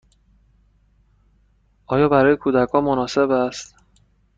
آیا برای کودکان مناسب است؟